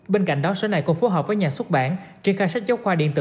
bên cạnh đó sở này còn phù hợp với nhà xuất bản triển khai sách giáo khoa điện tử